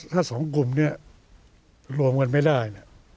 ถ้าสองกลุ่มเนี่ยรวมกันไม่ได้เนี่ย